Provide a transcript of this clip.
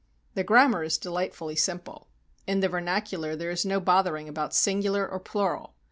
The grammar is delightfully simple. In the vernacu lar there is no bothering about singular or plural.